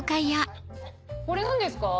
これ何ですか？